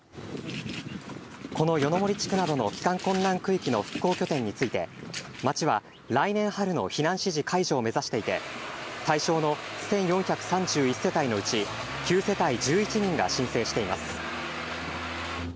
この夜の森地区などの帰還困難区域の復興拠点について、町は、来年春の避難指示解除を目指していて、対象の１４３１世帯のうち９世帯１１人が申請しています。